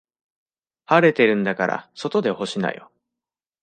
晴れてるんだから外で干しなよ。